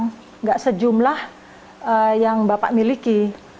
tidak sejumlah yang bapak miliki